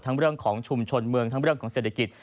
เรื่องของชุมชนเมืองทั้งเรื่องของเศรษฐกิจ